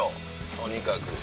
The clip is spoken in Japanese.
とにかく。